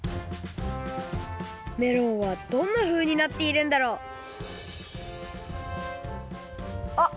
メロンはどんなふうになっているんだろうあっ